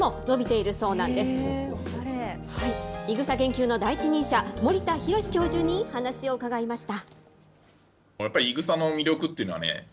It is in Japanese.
いぐさ研究の第一人者、森田洋教授に話を伺いました。